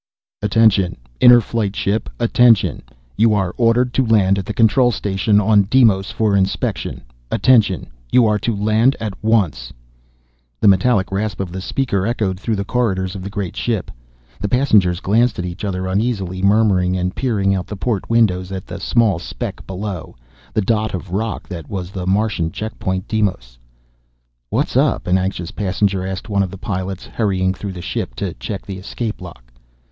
_ "Attention, Inner Flight ship! Attention! You are ordered to land at the Control Station on Deimos for inspection. Attention! You are to land at once!" The metallic rasp of the speaker echoed through the corridors of the great ship. The passengers glanced at each other uneasily, murmuring and peering out the port windows at the small speck below, the dot of rock that was the Martian checkpoint, Deimos. "What's up?" an anxious passenger asked one of the pilots, hurrying through the ship to check the escape lock.